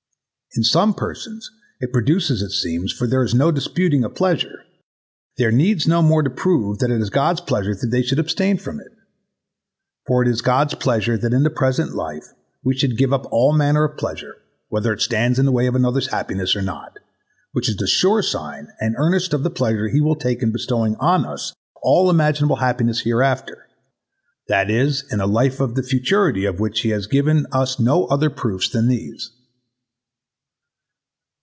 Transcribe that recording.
In some persons it produces it seems, for there is no disputing a pleasure: there needs no more to prove that it is God's pleasure they should abstain from it. For it is God's pleasure that in the present life we should give up all manner of pleasure, whether it stands in the way of another's happiness or not, which is the sure sign and earnest of the pleasure he will take in bestowing on us all imaginable happiness hereafter ; that is, in a life of the futurity of which he has given us no other proofs than these.